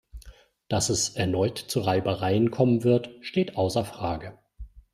Dass es erneut zu Reibereien kommen wird, steht außer Frage.